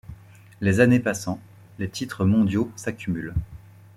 Les années passant, les titres mondiaux s'accumulent.